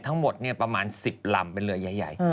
ทั้งหมดประมาณ๑๐ลำเป็นเรือใหญ่